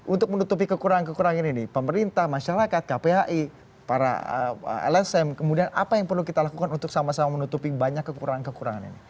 untuk menutupi kekurangan kekurangan ini pemerintah masyarakat kpai para lsm kemudian apa yang perlu kita lakukan untuk sama sama menutupi banyak kekurangan kekurangan ini